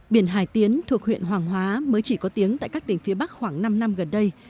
biển hải tiến thuộc huyện hoàng hóa mới chỉ có tiếng tại các tỉnh phía bắc khoảng năm năm gần đây